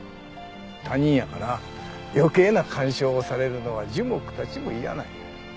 他人やから余計な干渉をされるのは樹木たちも嫌なんや。